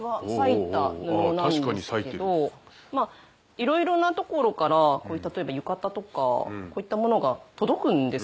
いろいろな所から例えば浴衣とかこういったものが届くんです